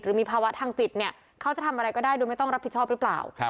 มีภาวะทางจิตเนี่ยเขาจะทำอะไรก็ได้โดยไม่ต้องรับผิดชอบหรือเปล่า